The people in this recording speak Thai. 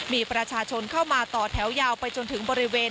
มีประชาชนเข้ามาต่อแถวยาวไปจนถึงบริเวณ